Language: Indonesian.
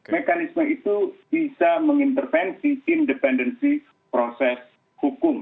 mekanisme itu bisa mengintervensi independensi proses hukum